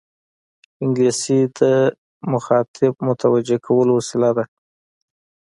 انګلیسي د مخاطب متوجه کولو وسیله ده